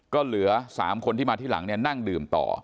ก็เหลือ๓คนที่มาที่หลังเนี่ยนั่งดื่มต่อ